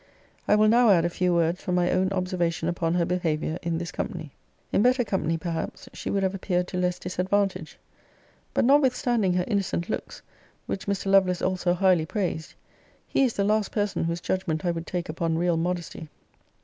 I will now add a few words from my own observation upon her behaviour in this company. In better company perhaps she would have appeared to less disadvantage: but, notwithstanding her innocent looks, which Mr. Lovelace also highly praised, he is the last person whose judgment I would take upon real modesty.